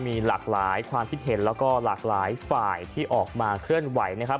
มีหลากหลายความคิดเห็นแล้วก็หลากหลายฝ่ายที่ออกมาเคลื่อนไหวนะครับ